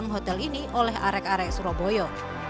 hotel ini oleh arek arek surabaya